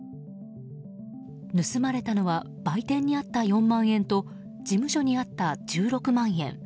盗まれたのは売店にあった４万円と事務所にあった１６万円。